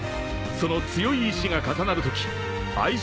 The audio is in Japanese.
［その強い意志が重なるとき相性